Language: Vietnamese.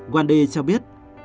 quen đi cho biết